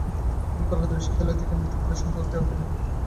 তিনি কলকাতা বিশ্ববিদ্যালয় থেকে ম্যাট্রিকুলেশন পরীক্ষায় উত্তীর্ণ হন।